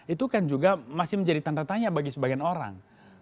itu kan juga masih menjadi tantatanya bagi sebagian orang